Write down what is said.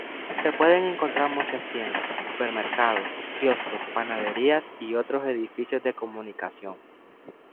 Se pueden encontrar muchas tiendas, supermercados, quioscos, panaderías y otros edificios de comunicación.